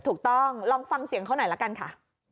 ถูกต้องลองฟังเสียงเขาหน่อยละกันค่ะ